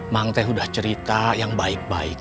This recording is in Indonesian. mang teh sudah cerita yang baik baik